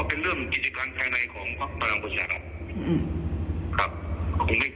เป็นเรื่องกิจการภายในของพักพลังประชารัฐอืมครับ